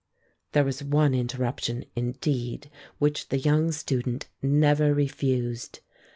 There was one interruption, indeed, which the young student never refused.